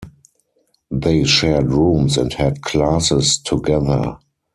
They shared rooms and had classes together.